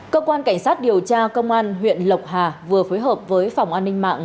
cơ quan cảnh sát điều tra công an huyện lộc hà vừa phối hợp với phòng an ninh mạng